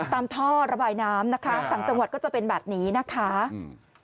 ท่อระบายน้ำนะคะต่างจังหวัดก็จะเป็นแบบนี้นะคะอืม